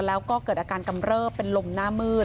แล้วก็เกิดอาการกำเริบเป็นลมหน้ามืด